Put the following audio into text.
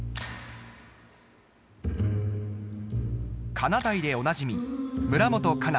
「かなだい」でおなじみ村元哉中